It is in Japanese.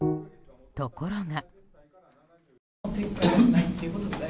ところが。